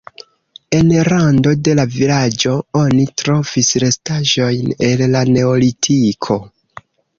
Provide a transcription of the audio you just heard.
En rando de la vilaĝo oni trovis restaĵojn el la neolitiko.